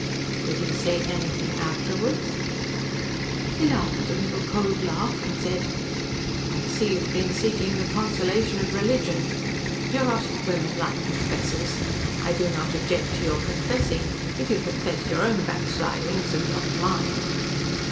"Did he say anything afterwards?" "He laughed a little cold laugh and said, 'I see you have been seeking the consolation of religion. Neurotic women like confessors. I do not object to your confessing, if you confess your own backslidings and not mine.'"